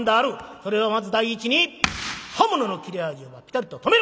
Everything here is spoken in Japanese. それはまず第一に刃物の切れ味をばピタリと止める！